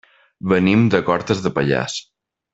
Venim de Cortes de Pallars.